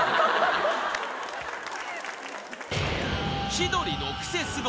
［『千鳥のクセスゴ！』